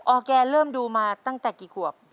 แกเริ่มดูมาตั้งแต่กี่ขวบ